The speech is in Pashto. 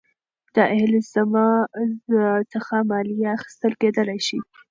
د اهل الذمه څخه مالیه اخیستل کېدلاى سي.